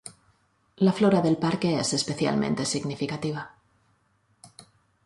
La flora del parque es especialmente significativa.